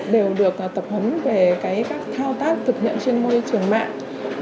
đều được tập huấn về các thao tác thực hiện trên môi trường mạng